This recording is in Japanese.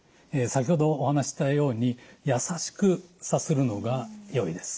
先ほどお話ししたようにやさしくさするのがよいです。